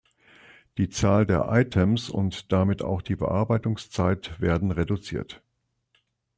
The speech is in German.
Die Zahl der Items und damit auch die Bearbeitungszeit werden reduziert.